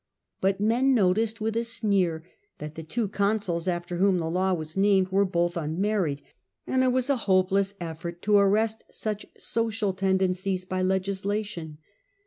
But men noticed with a sneer that the two consuls after whom the law was named were both un married, and it was a hopeless effort to arrest such social tendencies by legislation.